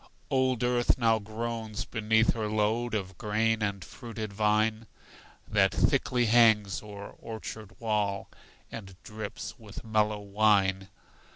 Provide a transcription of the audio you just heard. Old earth now groans beneath her load Of grain and fruited vine, That thickly hangs o'er orchard wall, And drips with mellow wine.